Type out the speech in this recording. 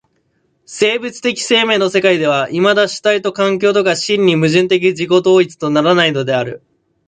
生物的生命の世界ではいまだ主体と環境とが真に矛盾的自己同一とならないのである。